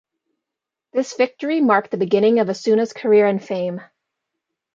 This victory marked the beginning of Osuna's career and fame.